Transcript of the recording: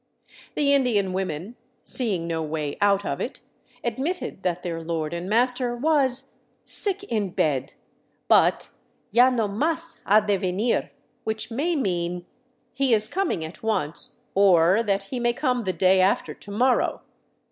The Indian women, seeing no way out of it, admitted that their lord and master was " sick in bed, but ya no mas ha de venir "— which may mean, " he is coming at once," or that he may come the day after to morrow.